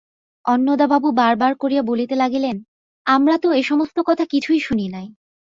অন্নদাবাবু বার বার করিয়া বলিতে লাগিলেন, আমরা তো এ-সমস্ত কথা কিছুই শুনি নাই।